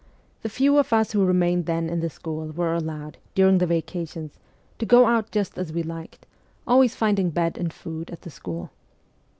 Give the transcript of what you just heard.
The few of us who remained then in the school were allowed, during the vacations, to go oat just as we liked, always finding bed and food at the school.